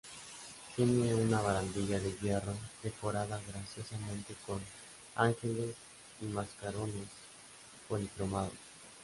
Tiene una barandilla de hierro decorada graciosamente con ángeles y mascarones policromados.